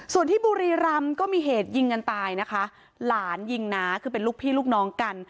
ส่วนที่บุรีรำก็มีเหตุยิงกันตายนะคะหลานยิงน้าคือเป็นลูกพี่ลูกน้องกัน